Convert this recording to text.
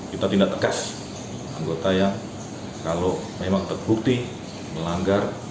kita tindak tegas anggota yang kalau memang terbukti melanggar